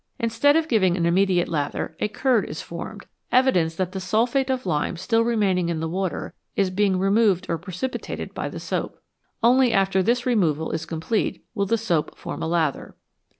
Instead of giving an immediate lather, a curd is formed evidence that the sulphate of lime still remaining in the water is being removed or precipitated by the soap. Only after this removal is complete will the soap form a lather.